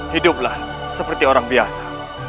hiduplah seperti orang biasa